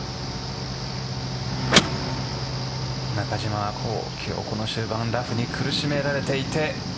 中島は今日この終盤ラフに苦しめられていて。